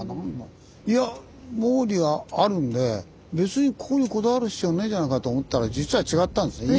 いや毛利はあるんで別にここにこだわる必要ねえじゃないかと思ったら実は違ったんですね。